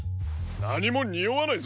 なにもにおわないぞ。